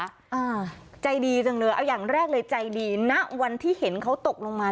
อ่าใจดีจังเลยเอาอย่างแรกเลยใจดีณวันที่เห็นเขาตกลงมา